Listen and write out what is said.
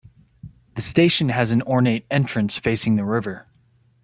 The station has an ornate entrance facing the river.